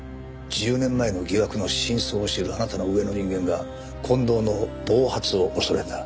１０年前の疑惑の真相を知るあなたの上の人間が近藤の暴発を恐れた。